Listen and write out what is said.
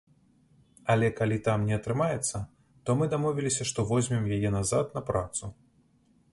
Але калі там не атрымаецца, то мы дамовіліся што возьмем яе назад на працу.